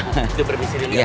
kita berbisik dulu ya pak